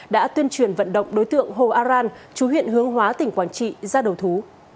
đã tuyên truyền vận động đối tượng hồ aran chú huyện hướng hóa tỉnh quảng trị ra đầu thú